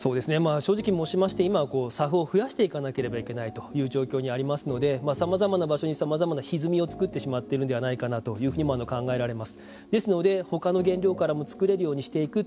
正直申しまして今、ＳＡＦを増やしていかなければいけないという状況にありますのでさまざまな場所にさまざまなひずみをつくってしまっているのではないかなというふうにも考えられます。